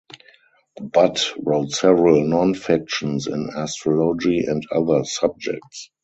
Butt wrote several non-fictions in astrology and other subjects.